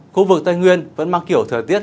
khu vực tây nguyên vẫn mang kiểu thời tiết